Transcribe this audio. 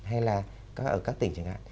hay là ở các tỉnh chẳng hạn